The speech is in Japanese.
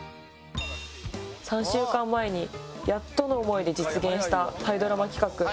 ３週間前にやっとの思いで実現したタイドラマ企画。